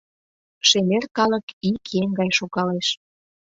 Шемер калык ик еҥ гай шогалеш.